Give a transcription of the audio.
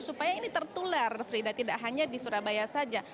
supaya ini tertular frida tidak hanya di surabaya saja